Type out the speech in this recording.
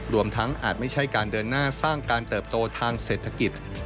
รวมทั้งอาจไม่ใช่การเดินหน้าสร้างการเติบโตทางเศรษฐกิจ